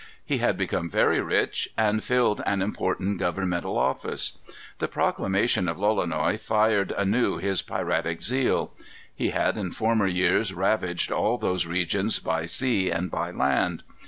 He had become very rich, and filled an important governmental office. The proclamation of Lolonois fired anew his piratic zeal. He had in former years ravaged all those regions by sea and by land.